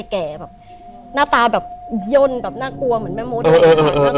แก่แบบหน้าตาแบบย่นแบบน่ากลัวเหมือนแม่โม้เออเออเออ